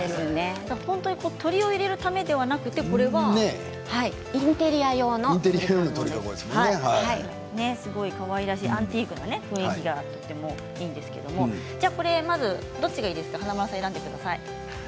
鳥を入れるためではなくてすごいかわいらしいアンティークな雰囲気がいいんですけれどもまず、どっちがいいですか華丸さん、選んでください。